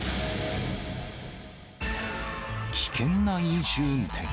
危険な飲酒運転。